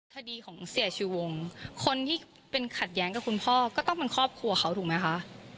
คดีของเสียชูวงคนที่เป็นขัดแย้งกับคุณพ่อก็ต้องเป็นครอบครัวเขาถูกไหมคะ